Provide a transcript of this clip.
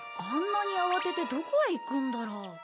あんなに慌ててどこへ行くんだろう？